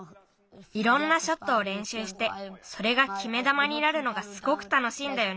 いろんなショットをれんしゅうしてそれがきめだまになるのがすごくたのしいんだよね。